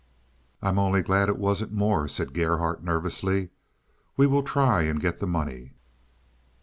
"I'm only glad it wasn't more," said Gerhardt nervously. "We will try and get the money."